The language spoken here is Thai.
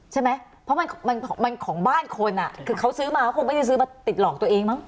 ใช่ไหมเพราะมันมันของบ้านคนอ่ะคือเขาซื้อมาเขาคงไม่ได้ซื้อมาติดหลอกตัวเองมั้